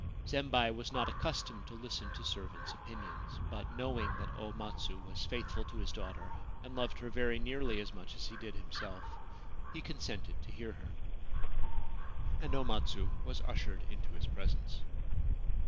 Zembei was not accustomed to listen to servants' opinions ; but, knowing that O Matsu was faithful to his daughter and loved her very nearly as much as he did himself, he consented to hear her, and O Matsu was ushered into his presence.